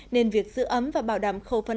nên việc giữ ấm và bảo đảm khẩu phân